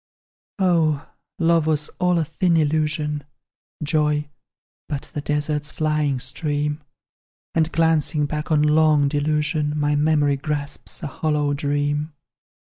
"Oh! Love was all a thin illusion Joy, but the desert's flying stream; And glancing back on long delusion, My memory grasps a hollow dream.